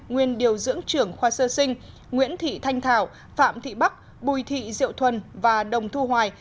nguyên điều dưỡng trưởng khoa sơ sinh nguyễn thị thanh thảo phạm thị bắc bùi thị diệu thuần và đồng thu hoài